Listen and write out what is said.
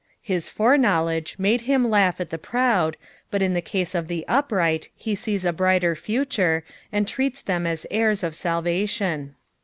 His foreknowledge made him laugh at the proud, but in the cose of the upright he sees a brighter future, and treats them as heirs of salvation.